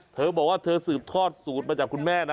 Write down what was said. เธอบอกว่าเธอสืบทอดสูตรมาจากคุณแม่นะ